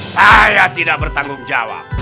saya tidak bertanggung jawab